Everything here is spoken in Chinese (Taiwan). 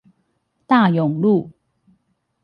大勇路